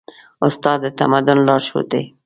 استاد د تمدن لارښود دی.